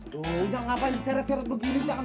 tuh udah ngapain seret seret begini jangan